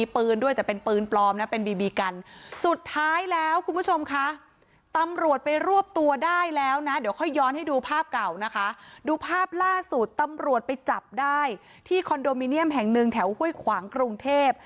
ผู้ชมค่ะตำรวจไปรวบตัวได้แล้วนะเดี๋ยวค่อยย้อนให้ดูภาพเก่านะคะดูภาพล่าสุดตำรวจไปจับได้ที่คอนโดมิเนียมแห่งหนึ่งแถวห้วยขวางกรุงเทพฯ